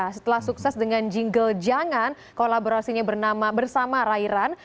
setelah sukses dengan jingle jangan kolaborasinya bersama rairan